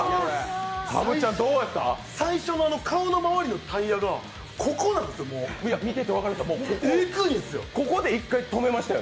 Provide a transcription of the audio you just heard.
最初、顔の周りのタイヤがここなんですよ、もう、えぐいんですよ。